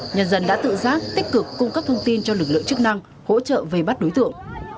nhân dân đã tự giác tích cực cung cấp thông tin cho lực lượng chức năng hỗ trợ vây bắt đối tượng